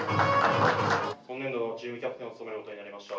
今年度のチームキャプテンを務めることになりました。